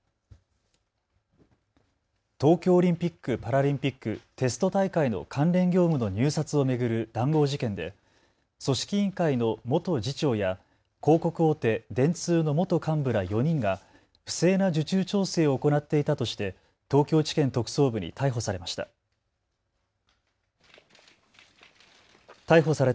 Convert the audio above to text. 東京オリンピック・パラリンピック、テスト大会の関連業務の入札を巡る談合事件で組織委員会の元次長や広告大手、電通の元幹部ら４人が不正な受注調整を行っていたとして東京地検特捜部に逮捕されました。